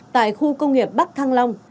tại khu công nghiệp bắc thăng long